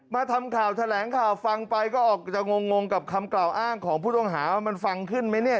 มาทำข่าวแถลงข่าวฟังไปก็ออกจะงงกับคำกล่าวอ้างของผู้ต้องหาว่ามันฟังขึ้นไหมเนี่ย